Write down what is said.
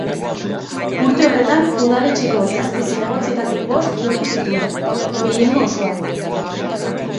Urte horretan Udaletxeko zazpi zinegotzietatik bost lortu zituen, gehiengo osoa.